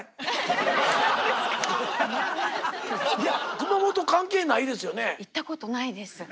熊本関係ないですよね？